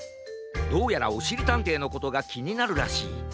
どうやらおしりたんていのことがきになるらしい。